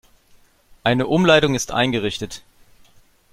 Eine Umleitung ist eingerichtet.